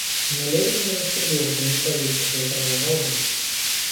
Но Левин не застрелился и не повесился и продолжал жить.